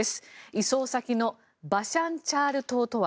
移送先のバシャンチャール島とは。